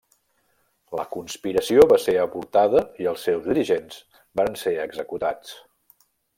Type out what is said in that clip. La conspiració va ser avortada i els seus dirigents varen ser executats.